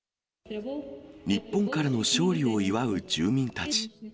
日本からの勝利を祝う住民たち。